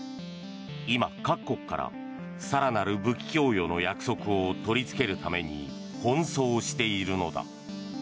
今、各国から更なる武器供与の約束を取りつけるために奔走しているのだ。